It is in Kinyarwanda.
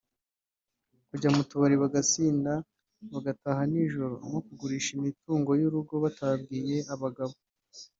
kujya mu tubari bagasinda bagataha nijoro no kugurisha imitungo y’urugo batabwiye abagabo